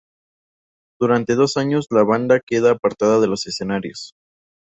Durante dos años la banda queda apartada de los escenarios.